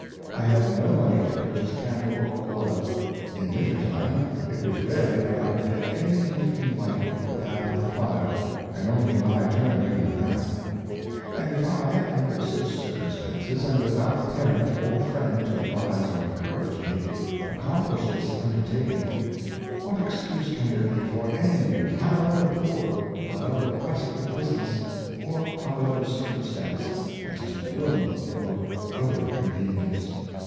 I had no money to purchase candle or oil; in winter time it was rarely that I could get any evening light but that of the fire, and only my turn even at that. And if I, under such circumstances, and without parent or friend to advise or encourage me, accomplished this undertaking, what excuse can there be for any youth, however poor, how ever pressed with business, or however circumstanced as to room or other convenience.